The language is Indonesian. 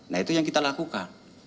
nah itu yang kita lakukan